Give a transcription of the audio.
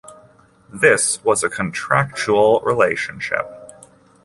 This was a contractual relationship.